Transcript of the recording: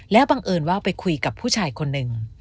บังเอิญว่าไปคุยกับผู้ชายคนหนึ่ง